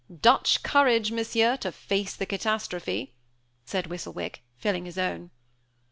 "Dutch courage, Monsieur, to face the catastrophe!" said Whistlewick, filling his own.